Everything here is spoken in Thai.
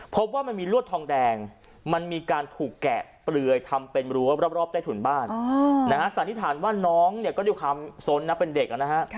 พบว่ามันมีลวดทองแดงมันมีการถูกแกะเปลือยทำเป็นรั้วรอบใต้ถุนบ้านนะฮะสันนิษฐานว่าน้องเนี่ยก็ด้วยความสนนะเป็นเด็กนะฮะ